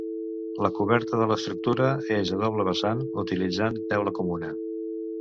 La coberta de l'estructura és a doble vessant, utilitzant teula comuna.